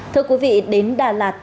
thưa quý vị đến đà lạt